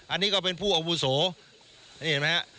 อันนี้ก็เป็นผู้อาวุโสนี่เห็นไหมฮะ